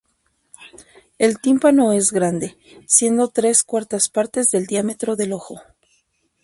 El tímpano es grande, siendo tres cuartas partes el diámetro del ojo.